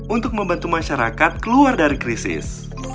untuk membantu masyarakat keluar dari krisis